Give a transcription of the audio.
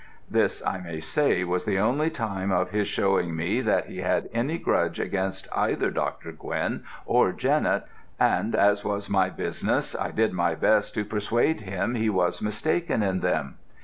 This, I may say, was the only time of his showing me that he had any grudge against either Dr. Quinn or Jennett, and as was my business, I did my best to persuade him he was mistaken in them.